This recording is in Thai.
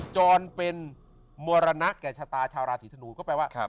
จรเป็นมรณะแก่ชะตาชาวราศีธนูก็แปลว่า